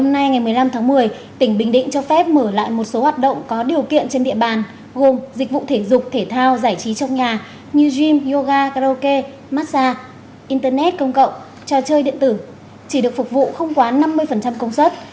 hôm nay ngày một mươi năm tháng một mươi tỉnh bình định cho phép mở lại một số hoạt động có điều kiện trên địa bàn gồm dịch vụ thể dục thể thao giải trí trong nhà như gym yoga karaoke massage internet công cộng trò chơi điện tử chỉ được phục vụ không quá năm mươi công suất